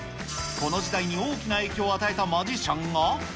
この時代に大きな影響を与えたマジシャンが。